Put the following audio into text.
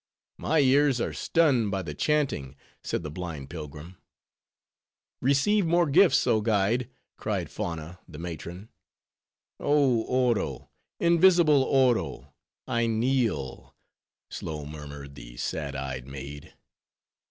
"My ears are stunned by the chanting," said the blind pilgrim. "Receive more gifts, oh guide!" cried Fanna the matron. "Oh Oro! invisible Oro! I kneel," slow murmured the sad eyed maid.